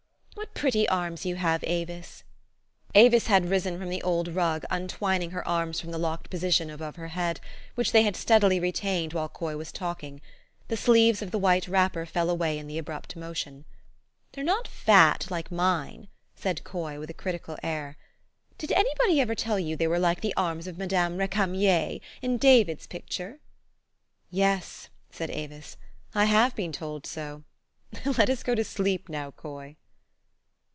What pretty arms you have, Avis !" Avis had risen from the old rug, untwining her arms from the locked position above her head, which they had steadily retained while Coy was talking. The sleeves of the white wrapper fell away in the abrupt motion. " They're not fat, like mine," said Coy, with a critical air. '' Did anybody ever tell you they were like the arms of Mme. Recamier, in David's pic ture?" " Yes," said Avis :" I have been told so. Let us go to sleep now, Coy."